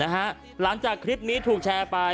หลังจากคลิปนี้ถูกแชร์ไป